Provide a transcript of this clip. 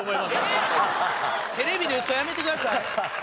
テレビでウソやめてください！